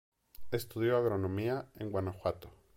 Estudió agronomía en Guanajuato.